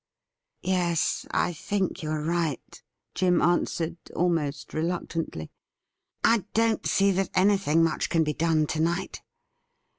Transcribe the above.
' Yes, I think you are right,' Jim answered, almost re luctantly. ' I don't see that anything much can be done to night.